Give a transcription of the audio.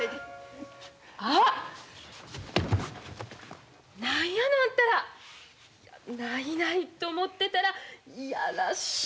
あっ何やのあんたら。ないないと思ってたら嫌らしい。